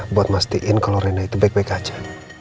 buat mastiin kalau rena itu baik baik aja